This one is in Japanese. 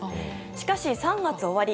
しかし、３月終わり